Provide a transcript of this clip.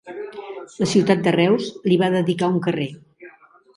La ciutat de Reus li va dedicar un carrer.